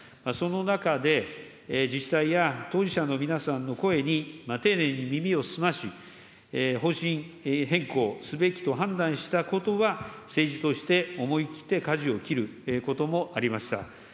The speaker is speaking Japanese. その中で自治体や当事者の皆さんの声に丁寧に耳を澄まし、方針変更すべきと判断したことは、政治として思い切ってかじを切ることもありました。